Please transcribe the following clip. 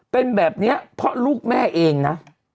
เป็นแบบนี้เพราะลูกแม่เองนะ